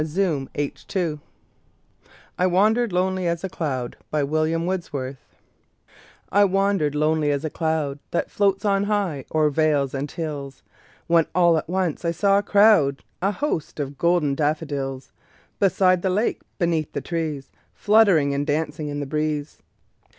William Wordsworth I Wandered Lonely As a Cloud I WANDERED lonely as a cloud That floats on high o'er vales and hills, When all at once I saw a crowd, A host, of golden daffodils; Beside the lake, beneath the trees, Fluttering and dancing in the breeze.